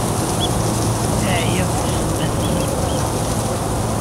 Ɛyiɣ seg ssebbat-nnem!